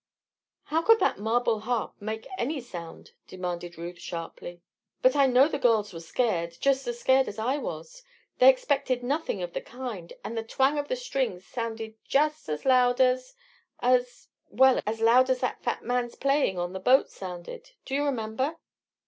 "How could that marble harp make any sound?" demanded Ruth, sharply. "But I know the girls were scared just as scared as I was. They expected nothing of the kind. And the twang of the strings sounded just as loud as as well, as loud as that fat man's playing on the boat sounded. Do you remember?"